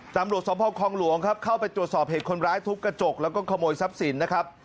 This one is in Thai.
สมภาพคลองหลวงครับเข้าไปตรวจสอบเหตุคนร้ายทุบกระจกแล้วก็ขโมยทรัพย์สินนะครับ